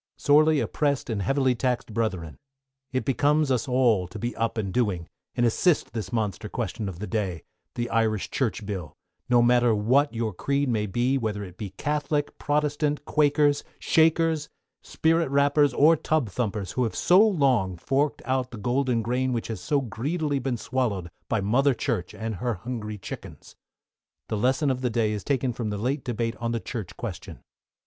Sorely oppressed and heavily taxed Brethren: It becomes us all to be up and doing, and assist this monster question of the day the Irish Church Bill no matter what your creed may be, whether it be Catholic, Protestant, Quakers, Shakers, Spirit Rappers, or Tub Thumpers, who have so long forked out the golden grain which has so greedily been swallowed by Mother Church and her hungry chickens. The lesson for the Day is taken from the late debate on on the Church Question.